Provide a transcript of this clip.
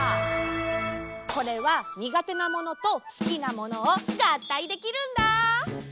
これはにがてなものとすきなものをがったいできるんだ。